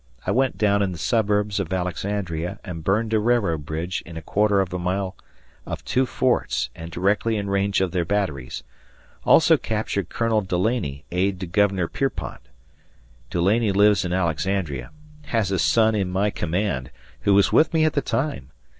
I went down in the suburbs of Alexandria and burned a railroad bridge in a quarter of a mile of two forts and directly in range of their batteries, also captured Colonel Dulaney, aide to (Governor) Pierpont. Dulaney lives in Alexandria, has a son in my command, who was with me at the time.